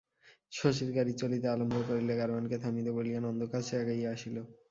শশীর গাড়ি চলিতে আরম্ভ করিলে, গাড়োয়ানকে থামিতে বলিয়া নন্দ কাছে আগাইয়া আসিল।